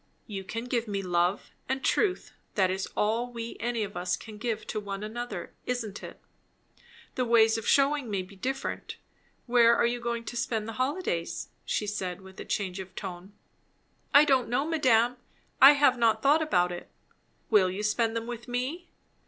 "You can give me love and truth that is all we any of us can give to one another, isn't it? The ways of shewing may be different. Where are you going to spend the holidays?" she said with a change of tone. "I don't know, madame. I have not thought about it." "Will you spend them with me?"